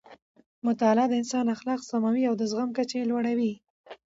مطالعه د انسان اخلاق سموي او د زغم کچه یې لوړوي.